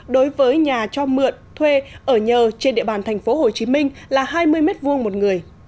đối với nhà cho mượn thuê ở nhờ trên địa bàn tp hcm là hai mươi m hai một người